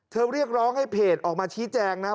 เรียกร้องให้เพจออกมาชี้แจงนะ